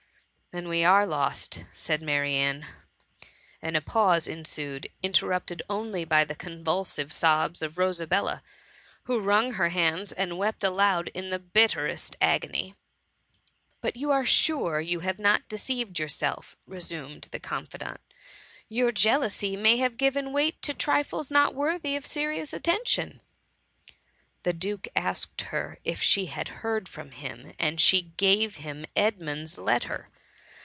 ^' 1 ^' Then we are lost,'' said Marianne, and a pause ensued, interrupted only by the oon vulsive sobs of Rosabella, who wrung her hands and wept aloud in the bitterest agony. *^'But are you sure you have not deceived yourself r* resumed the confidant; " your jea lousy may have given weight to trifles not worthy of serious attention.^ ^^ The Duke asked her if she had heard from him, and she gave him Edmund^s letter.